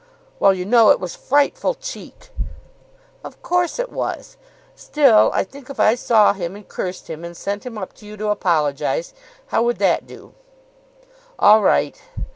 "Well, you know, it was frightful cheek." "Of course it was. Still, I think if I saw him and cursed him, and sent him up to you to apologise How would that do?" "All right.